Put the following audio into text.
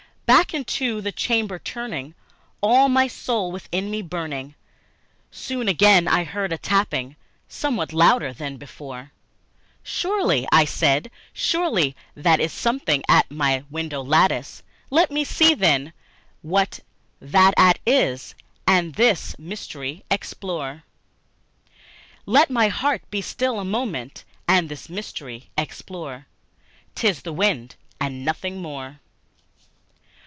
Back into my chamber turning, all my soul within me burning, Soon again I heard a rapping, something louder than before: "Surely," said I, "surely that is something at my window lattice; Let me see, then, what thereat is, and this mystery explore Let my heart be still a moment, and this mystery explore. 'Tis the wind, and nothing more."